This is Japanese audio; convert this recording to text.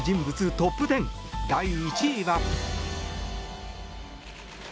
トップ１０第１位は。